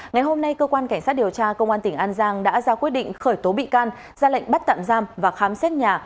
ngày hôm nay cơ quan cảnh sát điều tra công an tỉnh an giang đã ra quyết định khởi tố bị can ra lệnh bắt tạm giam và khám xét nhà